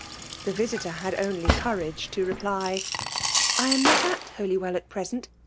the visiter had only courage to reply, " I am not at Holy well at present.